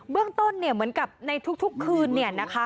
เบื้องต้นเนี่ยเหมือนกับในทุกคืนเนี่ยนะคะ